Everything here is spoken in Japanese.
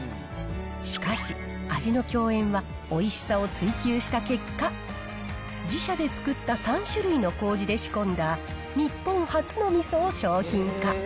しかし、味の饗宴はおいしさを追求した結果、自社で作った３種類のこうじで仕込んだ日本初のみそを商品化。